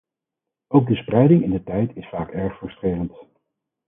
Ook de spreiding in de tijd is vaak erg frustrerend.